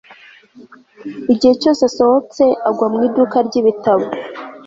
igihe cyose asohotse, agwa mu iduka ryibitabo